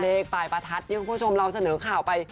เลขปลายประทัดที่คุณผู้ชมเราเสนอข่าวไป